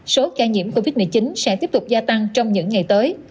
số ca nhiễm covid một mươi chín sẽ tiếp tục gia tăng trong những ngày tới